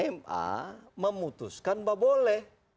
ma memutuskan bahwa boleh